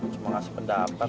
cuma kasih pendapat